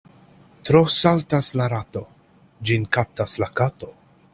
Tro saltas la rato — ĝin kaptas la kato.